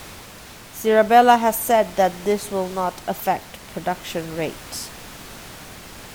Sirabella has said that this will not affect production rates.